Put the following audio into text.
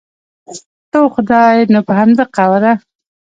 ته او خدای نو په همدغه قواره.